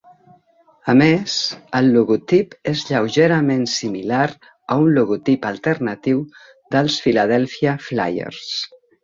A més, el logotip és lleugerament similar a un logotip alternatiu dels Philadelphia Flyers.